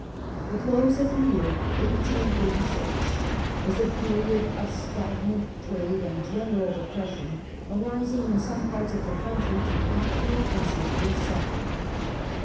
The close of the year 1836 was a period of stagnant trade and general depression, arising, in some parts of the country, to actual and severe suffer ing.